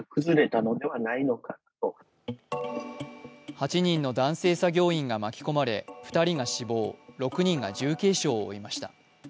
８人の男性作業員が巻き込まれ２人が死亡、６人が重軽傷を負いました。